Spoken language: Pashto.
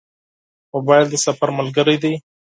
موبایل د سفر ملګری دی.